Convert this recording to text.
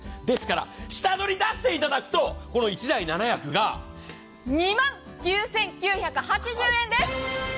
ですから下取り出していただくと、この１台７役が２万９９８０円です。